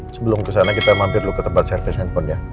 sebelum kesana kita mampir dulu ke tempat service handphone ya